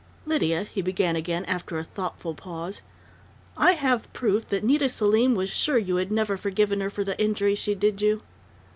"Lydia," he began again, after a thoughtful pause, "I have proof that Nita Selim was sure you had never forgiven her for the injury she did you."